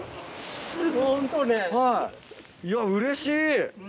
はいいやうれしい。